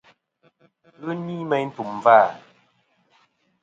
Ghɨ ni meyn tùm vâ.